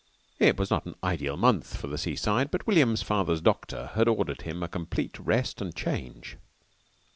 It was not an ideal month for the seaside, but William's father's doctor had ordered him a complete rest and change.